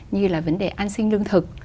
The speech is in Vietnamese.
như là vấn đề an sinh lương thực